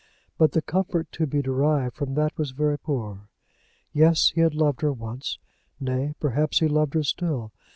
But the comfort to be derived from that was very poor. Yes; he had loved her once, nay, perhaps he loved her still.